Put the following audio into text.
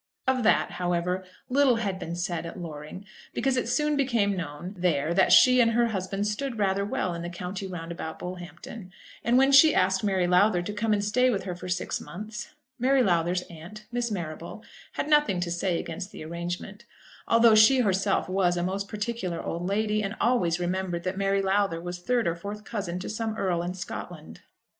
Of that, however, little had been said at Loring, because it soon became known there that she and her husband stood rather well in the country round about Bullhampton; and when she asked Mary Lowther to come and stay with her for six months, Mary Lowther's aunt, Miss Marrable, had nothing to say against the arrangement, although she herself was a most particular old lady, and always remembered that Mary Lowther was third or fourth cousin to some earl in Scotland.